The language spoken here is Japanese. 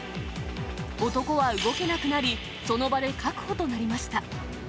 男は動けなくなり、その場で確保となりました。